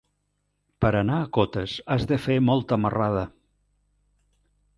Per anar a Cotes has de fer molta marrada.